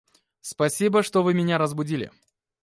Спасибо, что вы меня разбудили...